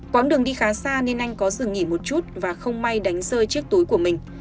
quãng đường đi khá xa nên anh có dừng nghỉ một chút và không may đánh rơi chiếc túi của mình